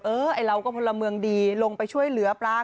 ไอ้เราก็พลเมืองดีลงไปช่วยเหลือปลา